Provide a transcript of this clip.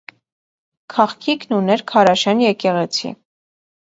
Քաղքիկն ուներ քարաշեն եկեղեցի։